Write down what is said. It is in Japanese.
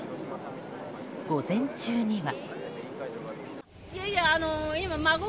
午前中には。